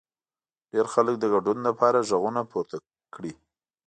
ډېر خلک د ګډون لپاره غږونه پورته کړي.